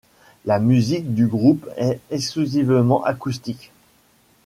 La musique du groupe est exclusivement acoustique.